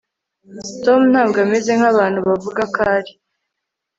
tom ntabwo ameze nkabantu bavuga ko ari